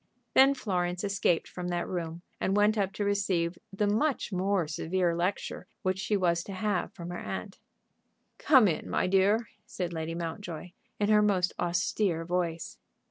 Then Florence escaped from that room and went up to receive the much more severe lecture which she was to have from her aunt. "Come in, my dear," said Lady Mountjoy, in her most austere voice.